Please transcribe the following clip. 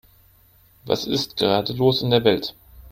Was ist gerade los in der Welt?